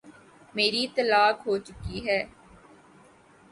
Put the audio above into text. میری طلاق ہو چکی ہے۔